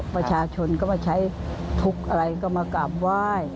ประชาชนก็มาใช้ทุกข์อะไรก็มากราบไหว้